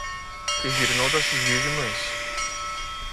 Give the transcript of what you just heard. Και γυρνώντας στις δίδυμες: